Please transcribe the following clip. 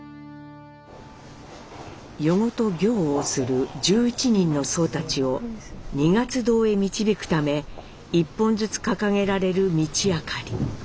夜ごと行をする１１人の僧たちを二月堂へ導くため１本ずつ掲げられる道あかり。